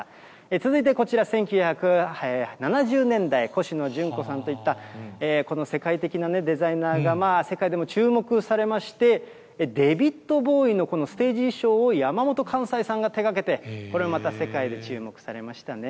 続いてこちら、１９７０年代、コシノジュンコさんといった、この世界的なデザイナーが、世界でも注目されまして、デヴィッド・ボウイのステージ衣装を山本寛斎さんが手がけて、これまた世界で注目されましたね。